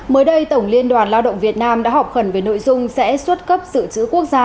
mới đây tổng liên đoàn lao động việt nam đã họp khẩn về nội dung sẽ xuất cấp sự trữ quốc gia